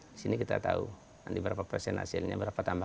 di sini kita tahu nanti berapa persen hasilnya